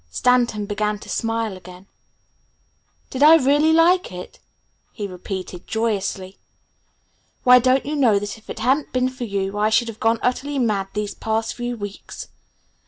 Stanton began to smile again. "Did I really like it?" he repeated joyously. "Why, don't you know that if it hadn't been for you I should have gone utterly mad these past few weeks?